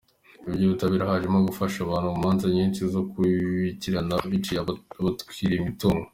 Iby’ubutabera, hajemo gufasha abantu mu manza nyinshi zo gukurikirana ababiciye, ababatwariye imitungo.